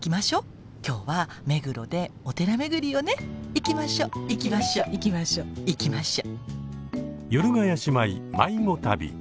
行きましょ行きましょ行きましょ行きましょ。